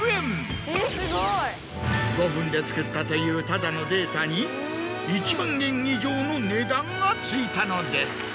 ５分で作ったというただのデータに１万円以上の値段がついたのです。